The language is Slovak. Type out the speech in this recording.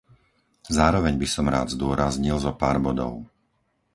Zároveň by som rád zdôraznil zopár bodov.